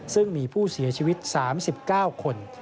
ซึ่งมีผู้เสียชีวิต๓๙คน